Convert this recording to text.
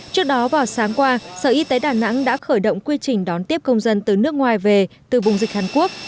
trước đó vào sáng qua sở y tế đà nẵng đã khởi động quy trình đón tiếp công dân từ nước ngoài về từ vùng dịch hàn quốc